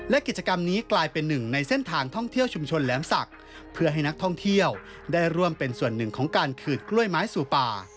และกิจกรรมนี้กลายเป็นหนึ่งในเส้นทางท่องเที่ยวชุมชนแหลมศักดิ์เพื่อให้นักท่องเที่ยวได้ร่วมเป็นส่วนหนึ่งของการขืดกล้วยไม้สู่ป่า